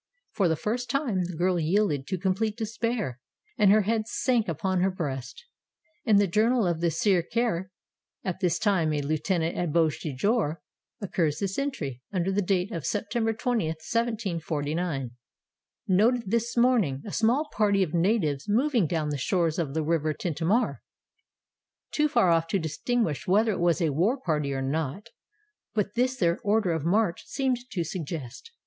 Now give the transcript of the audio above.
For the first time the girl yielded to complete despair, and her head sank upon her breast. In the Journal of the Sieur Carré, at this time a lieutenant at Beauséjour, occurs this entry, under date of September 20, 1749: "Noted this morning a small party of natives moving down the shores of the river Tintamarre. Too far off to distinguish whether it was a war party or not, but this their order of march seemed to suggest."